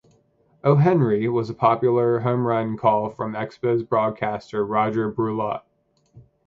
"Oh Henry" was a popular home run call from Expos broadcaster Rodger Brulotte.